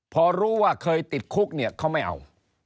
พอรู้ว่าเคยติดคุกเนี่ยเขาไม่เอา